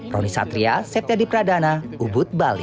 roni satria septya dipradana ubud bali